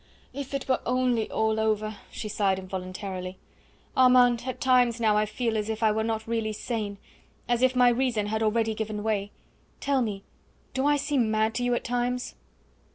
"If it were only all over!" she sighed involuntarily. "Armand, at times now I feel as if I were not really sane as if my reason had already given way! Tell me, do I seem mad to you at times?"